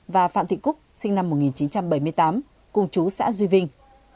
và phạm thị cúc sinh năm một nghìn chín trăm bảy mươi tám cùng chú xã duy vinh